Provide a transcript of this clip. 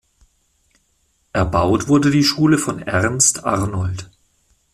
Erbaut wurde die Schule von Ernst Arnold.